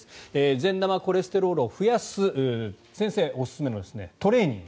善玉コレステロールを増やす先生おすすめのトレーニング。